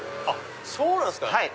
そうなんすか！